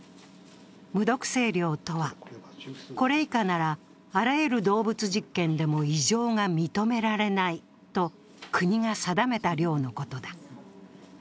無毒性量とは、これ以下ならあらゆる動物実験でも異常が認められないと国が定めた量のことだ。